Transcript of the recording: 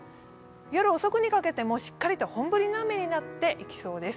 夜遅くにかけて、しっかりと本降りの雨になっていきそうです。